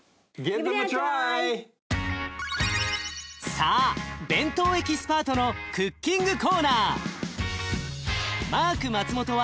さあ弁当エキスパートのクッキングコーナー。